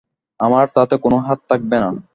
আমার তাতে কোনো হাত থাকবে না?